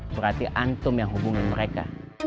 berarti antum yang hubungin mereka